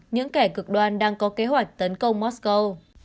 những kẻ cực đoan đang có kế hoạch tấn công moscow